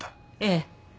ええ。